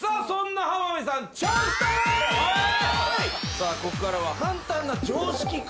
さあここからは簡単な。